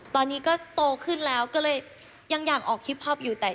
ตอนนี้ก็โตขึ้นแล้วก็เลยยังอยากออกคลิปพอปอยู่แต่